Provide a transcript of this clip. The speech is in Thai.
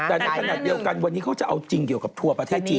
แต่ในขณะเดียวกันวันนี้เขาจะเอาจริงเกี่ยวกับทัวร์ประเทศจีน